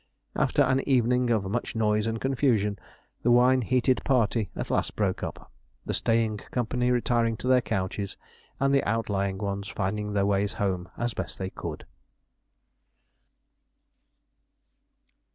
After an evening of much noise and confusion, the wine heated party at last broke up the staying company retiring to their couches, and the outlying ones finding their ways home as best they could.